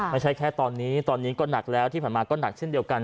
ไม่ใช่แค่ตอนนี้ตอนนี้ก็หนักแล้วที่ผ่านมาก็หนักเช่นเดียวกัน